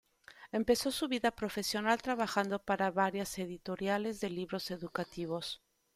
Empezó su vida profesional trabajando para varias editoriales de libros educativos.